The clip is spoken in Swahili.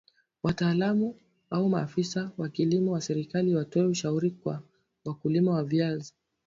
wataalam au maafisa wa kilimo wa serikali watoe ushauri kwa wakulima wa viazi